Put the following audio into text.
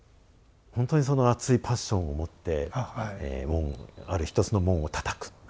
ほんとにその熱いパッションを持って門をある一つの門をたたく。